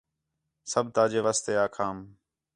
سب تاجے واسطے آکھام